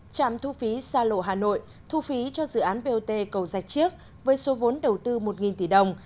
trạm thu phí xa lộ hà nội thu phí cho dự án bot cầu dạch chiếc với số vốn đầu tư một tỷ đồng